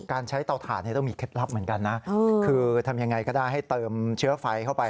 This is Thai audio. การใช้เตาถ่านต้องมีเคล็ดลับเหมือนกันนะคือทำยังไงก็ได้ให้เติมเชื้อไฟเข้าไป